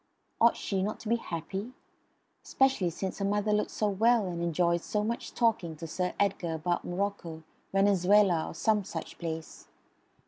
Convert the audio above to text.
Ought she not to be happy? Especially since her mother looked so well and enjoyed so much talking to Sir Edgar about Morocco, Venezuela, or some such place.